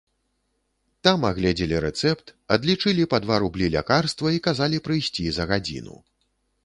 Там агледзелі рэцэпт, адлічылі па два рублі лякарства і казалі прыйсці за гадзіну.